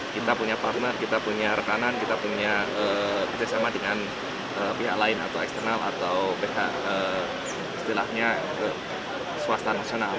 kita punya partner kita punya rekanan kita punya kerjasama dengan pihak lain atau eksternal atau pihak istilahnya swasta nasional